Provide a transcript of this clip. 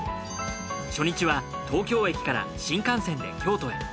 初日は東京駅から新幹線で京都へ。